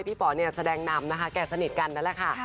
ป๋อเนี่ยแสดงนำนะคะแกสนิทกันนั่นแหละค่ะ